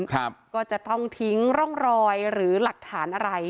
ครับก็จะต้องทิ้งร่องรอยหรือหลักฐานอะไร